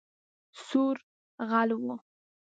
سور غل وو